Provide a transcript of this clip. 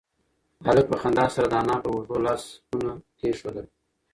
هلک په خندا سره د انا پر اوږو لاسونه کېښودل.